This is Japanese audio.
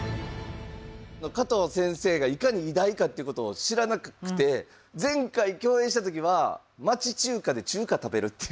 加藤先生がいかに偉大かっていうことを知らなくて前回共演した時は町中華で中華食べるっていう。